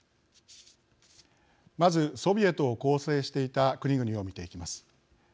まず、ソビエトを構成していた国々を見ていきます。